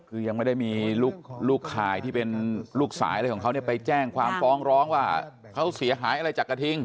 คือยังไม่ได้มีลูกข่ายที่เป็นลูกสายอะไรของเขาเนี่ยไปแจ้งความฟ้องร้องว่าเขาเสียหายอะไรจากกระทิง